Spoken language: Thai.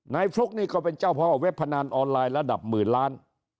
ฟลุ๊กนี่ก็เป็นเจ้าพ่อเว็บพนันออนไลน์ระดับหมื่นล้าน